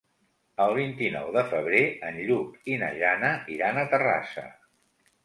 El vint-i-nou de febrer en Lluc i na Jana iran a Terrassa.